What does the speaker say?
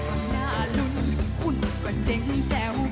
มาดก็หน้าลุ้นหุ้นก็เด็งแจ้ว